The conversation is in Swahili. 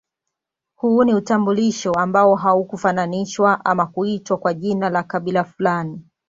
Huu ni utambulisho ambao haukufananishwa ama kuitwa kwa jina la kabila fulani